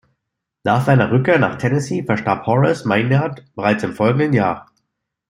Nach seiner Rückkehr nach Tennessee verstarb Horace Maynard bereits im folgenden Jahr.